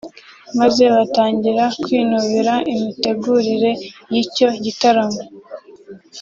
maze batangira kwinubira imitegurire y’icyo gitaramo